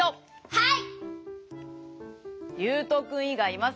はい。